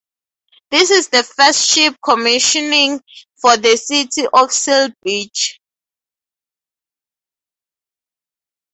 This is the first ship commissioning for the City of Seal Beach.